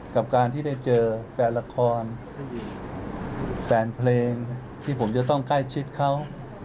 กับการที่ได้เจอแฟนละครแฟนเพลงที่ผมจะต้องใกล้ชิดเขา